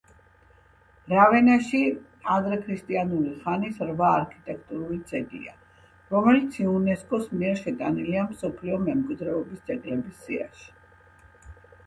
რავენაში ადრექრისტიანული ხანის რვა არქიტექტურული ძეგლია, რომელიც იუნესკოს მიერ შეტანილია მსოფლიო მემკვიდრეობის ძეგლების სიაში.